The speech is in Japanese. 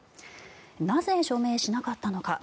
なぜ署名しなかったのか。